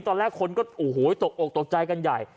ตอนแรกคนก็ตกออกตกใจกันใหญ่